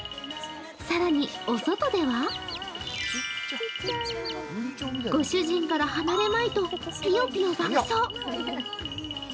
更に、お外ではご主人から離れまいとぴよぴよ爆走。